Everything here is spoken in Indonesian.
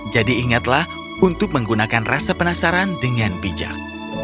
jadi ingatlah untuk menggunakan rasa penasaran dengan bijak